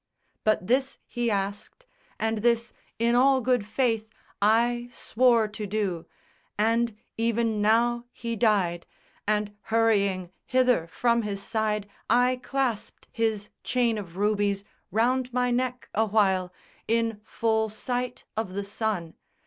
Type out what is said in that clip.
But this he asked; and this in all good faith I swore to do; and even now he died, And hurrying hither from his side I clasped His chain of rubies round my neck awhile, In full sight of the sun.